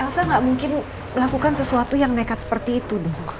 elsa gak mungkin melakukan sesuatu yang nekat seperti itu dok